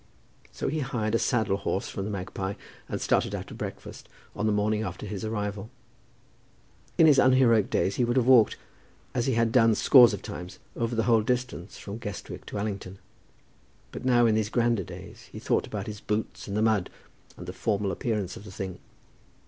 So he hired a saddle horse from "The Magpie" and started after breakfast on the morning after his arrival. In his unheroic days he would have walked, as he had done, scores of times, over the whole distance from Guestwick to Allington. But now, in these grander days, he thought about his boots and the mud, and the formal appearance of the thing.